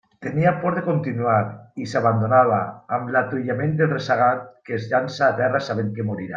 Tenia por de continuar, i s'abandonava, amb l'atuïment del ressagat que es llança a terra sabent que morirà.